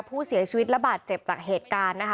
ผู้เสียชีวิตระบาดเจ็บจากเหตุการณ์นะคะ